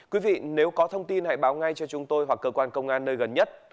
quý vị nếu có thông tin hãy báo ngay cho chúng tôi hoặc cơ quan công an nơi gần nhất